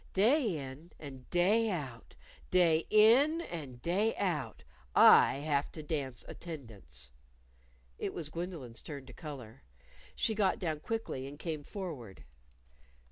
"Day in and day out, day in and day out, I have to dance attendance." It was Gwendolyn's turn to color. She got down quickly and came forward.